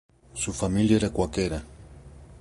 Su familia era cuáquera.